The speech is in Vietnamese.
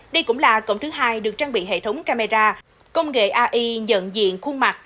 đây cũng là cổng thứ hai được trang bị hệ thống camera công nghệ ai nhận diện khuôn mặt